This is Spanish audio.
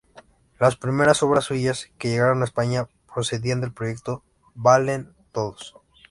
Las primeras obras suyas que llegaron a España procedían del proyecto "Valen todos".